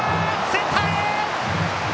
センターへ！